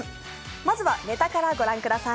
まずはネタからご覧ください。